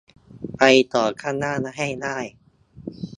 ไปต่อข้างหน้าให้ได้